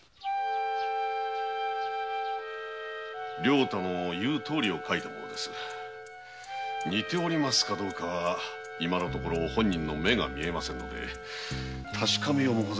良太の言うとおりを描いたものですが似ているかどうかは今のところ本人の目が見えませんので確かめようもございません。